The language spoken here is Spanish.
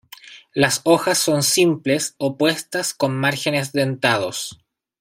Las hojas son simples, opuestas, con márgenes dentados.